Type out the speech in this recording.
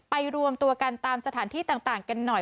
รวมตัวกันตามสถานที่ต่างกันหน่อย